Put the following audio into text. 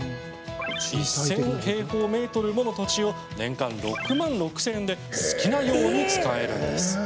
１０００平方メートルもの土地を年間６万６０００円で好きなように使えるんです。